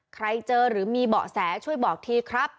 ใครเจอหรือมีเบาะแสช่วยบอกทีครับ